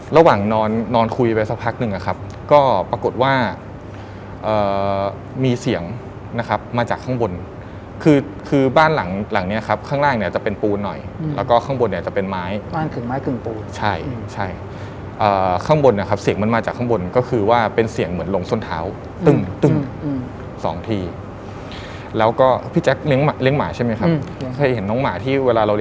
ระหว่างนอนนอนคุยไปสักพักหนึ่งอะครับก็ปรากฏว่ามีเสียงนะครับมาจากข้างบนคือคือบ้านหลังหลังเนี้ยครับข้างล่างเนี่ยจะเป็นปูนหน่อยแล้วก็ข้างบนเนี่ยจะเป็นไม้บ้านกึ่งไม้กึ่งปูนใช่ใช่ข้างบนนะครับเสียงมันมาจากข้างบนก็คือว่าเป็นเสียงเหมือนลงส้นเท้าตึ้งตึ้งสองทีแล้วก็พี่แจ๊คเลี้ยหมาใช่ไหมครับยังเคยเห็นน้องหมาที่เวลาเราเรียน